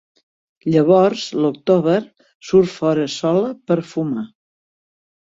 Llavors, l'October surt fora sola per fumar.